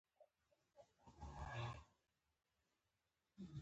بهرنی اشغال هم له منځه ځي.